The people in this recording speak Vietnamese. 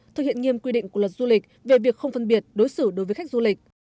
thực hiện nghiêm quy định của luật du lịch về việc không phân biệt đối xử đối với khách du lịch